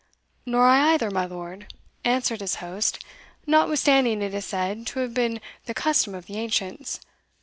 "Nor I either, my lord," answered his host, "notwithstanding it is said to have been the custom of the ancients.